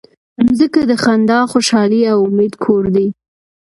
مځکه د خندا، خوشحالۍ او امید کور دی.